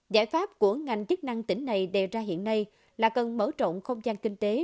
giải pháp của ngành chức năng tỉnh này đề ra hiện nay là cần mở rộng không gian kinh tế